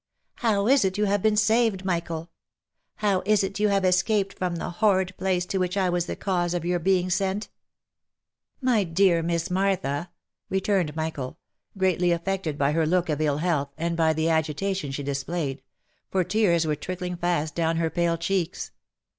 How is it you have been saved, Michael? How is it you have escaped from the horrid place to which I was the cause of your being sent ?"" My dear Miss Martha !" returned Michael, greatly affected by her look of ill health, and by the agitation she displayed — for tears were trickling fast down her pale cheeks.